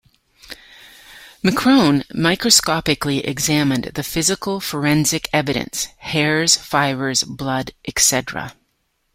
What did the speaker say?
McCrone microscopically examined the physical forensic evidence: hairs, fibers, blood, etc.